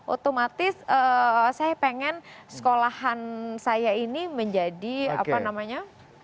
otomatis saya pengen sekolahan saya ini menjadi apa namanya